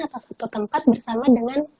atau satu tempat bersama dengan